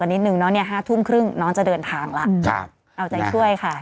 น้อเนี่ย๕ทุ่มครึ่งน้อจะเดินทางละเอาใจช่วยค่ะ